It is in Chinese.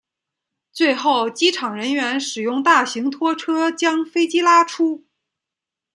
最后机场人员使用大型拖车将飞机拉出。